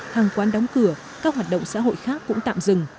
hàng quán đóng cửa các hoạt động xã hội khác cũng tạm dừng